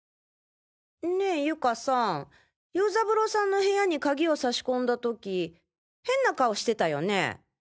ねえ友嘉さん游三郎さんの部屋に鍵を差し込んだとき変な顔してたよね？